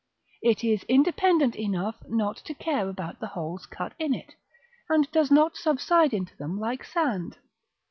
It is independent enough not to care about the holes cut in it, and does not subside into them like sand.